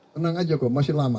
tenang aja kok masih lama